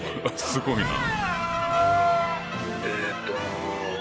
すごいな。